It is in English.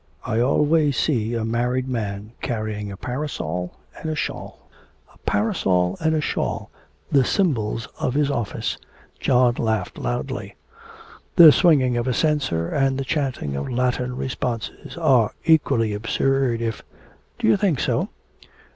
I always see a married man carrying a parasol and a shawl a parasol and a shawl, the symbols of his office.' John laughed loudly. 'The swinging of a censer and the chanting of Latin responses are equally absurd if ' 'Do you think so?'